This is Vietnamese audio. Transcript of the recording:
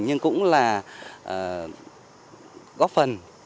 nhưng cũng là góp phần